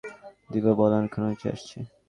দিপা বলল, অনেকক্ষণ হইছে আসছি।